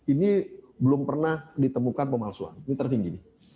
ini belum pernah ditemukan pemalsuan ini tertinggi